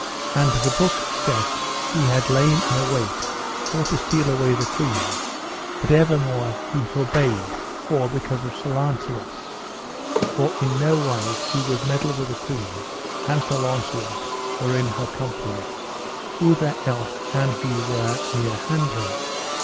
And the book saith he had lain in await for to steal away the queen, but evermore he forbare for because of Sir Launcelot; for in no wise he would meddle with the queen an Sir Launcelot were in her company, outher else an he were near hand her.